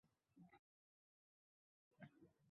Ishxonaga oʻz oyogʻi balan kelib qoldi